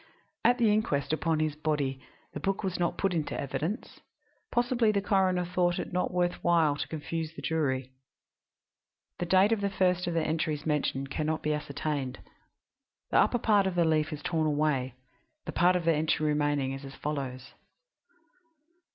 At the inquest upon his body the book was not put in evidence; possibly the coroner thought it not worth while to confuse the jury. The date of the first of the entries mentioned can not be ascertained; the upper part of the leaf is torn away; the part of the entry remaining is as follows